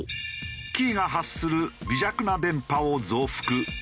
キーが発する微弱な電波を増幅。